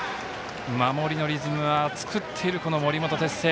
守りのリズムは作っている森本哲星。